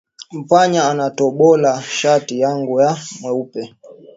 Mpanya anatobola shati yangu ya mweupe